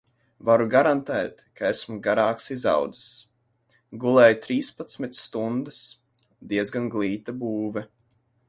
Varu garantēt, ka esmu garāks izaudzis. Gulēju trīspadsmit stundas. Diezgan glīta būve.